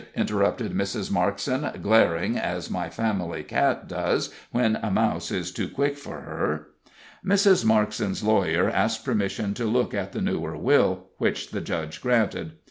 interrupted Mrs. Markson, glaring, as my family cat does when a mouse is too quick for her. Mrs. Markson's lawyer asked permission to look at the newer will, which the judge granted.